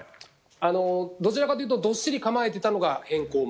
どちらかというとどっしり構えてたのが変更前。